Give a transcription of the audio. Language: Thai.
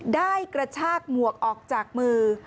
กระชากหมวกออกจากมือ